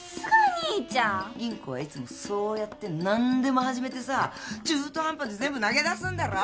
吟子はいつもそうやって何でも始めてさ中途半端で全部投げ出すんだろ。